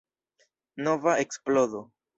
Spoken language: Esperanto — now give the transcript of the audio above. Nova eksplodo.